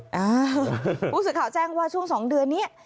อ้าวภูมิสึกข่าวแจ้งว่าช่วง๒เดือนนี้